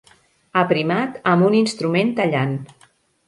Aprimat amb un instrument tallant.